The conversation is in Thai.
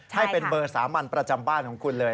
ให้เป็นเบอร์สามัญประจำบ้านของคุณเลย